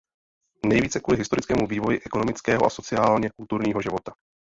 Nejvíce kvůli historickému vývoji ekonomického a sociálně kulturního života.